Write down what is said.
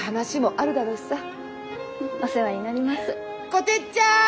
こてっちゃん！